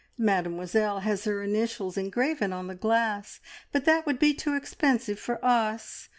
Mademoiselle has her initials engraven on the glass, but that would be too expensive for us.